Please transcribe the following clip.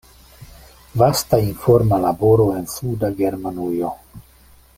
Vasta informa laboro en Suda Germanujo.